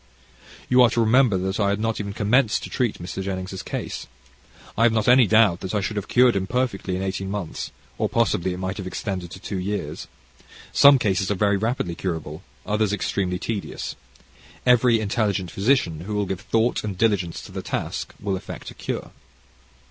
You are to remember that I had not even commenced to treat Mr. Jennings' case. I have not any doubt that I should have cured him perfectly in eighteen months, or possibly it might have extended to two years. Some cases are very rapidly curable, others extremely tedious. Every intelligent physician who will give thought and diligence to the task, will effect a cure.